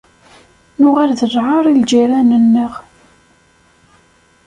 Nuɣal d lɛar i lǧiran-nneɣ.